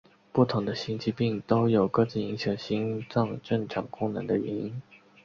不同的心肌病都有各自影响心脏正常功能的原因。